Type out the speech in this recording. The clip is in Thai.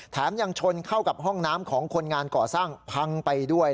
ยังชนเข้ากับห้องน้ำของคนงานก่อสร้างพังไปด้วย